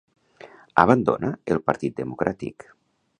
Abandona el Partit Democràtic.